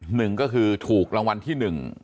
หนึ่งก็คือถูกรางวัลที่๑